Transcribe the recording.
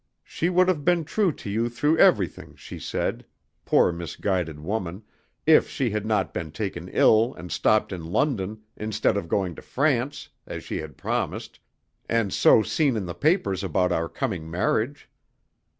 She would have been true to you through everything, she said poor misguided woman if she had not been taken ill and stopped in London instead of going to France, as she had promised, and so seen in the papers about our coming marriage.